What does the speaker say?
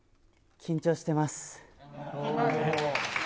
緊張してます。